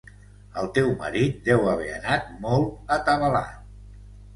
El teu marit deu haver anat molt atabalat.